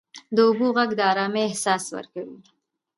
• د اوبو ږغ د آرامۍ احساس ورکوي.